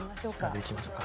いきましょうか。